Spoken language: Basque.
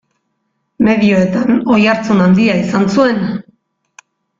Medioetan oihartzun handia izan zuen.